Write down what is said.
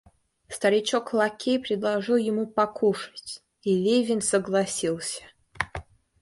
Старичок-лакей предложил ему покушать, и Левин согласился.